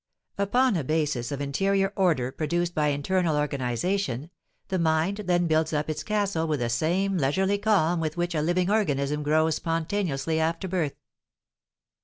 Upon a basis of interior order produced by internal organization, the mind then builds up its castle with the same leisurely calm with which a living organism grows spontaneously after birth.